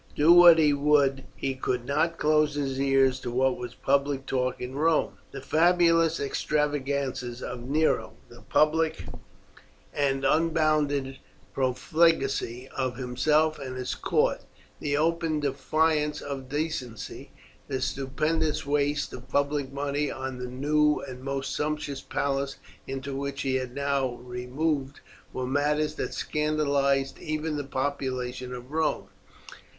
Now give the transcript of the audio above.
Do what he would he could not close his ears to what was public talk in Rome. The fabulous extravagances of Nero, the public and unbounded profligacy of himself and his court, the open defiance of decency, the stupendous waste of public money on the new and most sumptuous palace into which he had now removed, were matters that scandalized even the population of Rome.